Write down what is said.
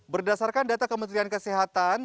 berdasarkan data kementerian kesehatan